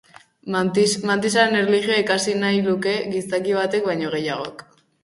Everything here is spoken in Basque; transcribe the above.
Mantisaren erlijioa ikasi nahi luke gizaki batek baino gehiagok.